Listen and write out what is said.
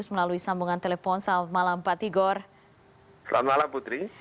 selamat malam putri